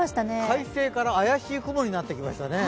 快晴から怪しい雲になってきましたね。